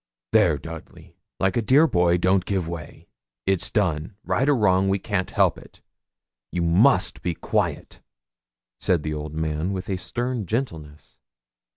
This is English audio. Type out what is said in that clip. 'There, Dudley, like a dear boy, don't give way; it's done. Right or wrong, we can't help it. You must be quiet,' said the old man, with a stern gentleness.